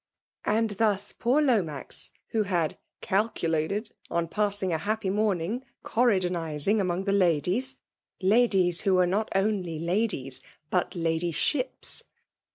'* And thus poor Lomax, who had "caku lated on passing f^ happy monung, Oesrydon izing among the ladies, ( ladies who were JMt only ladies, but ladydbips